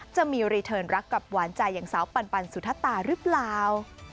จะมีรีเทิร์นรักกับหวานใจอย่างสาวปันสุธตาหรือเปล่า